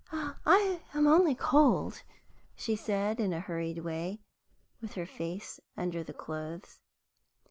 "I am only cold," she said, in a hurried way, with her face under the clothes.